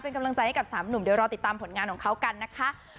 เป็นกำลังใจให้กับสามหนุ่มเดี๋ยวรอติดตามผลงานของเขากันนะคะ